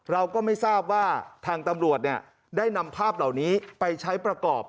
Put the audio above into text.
เราก็ไม่ทราบว่าทางตำรวจได้นำภาพเหล่านี้ไปใช้ประกอบ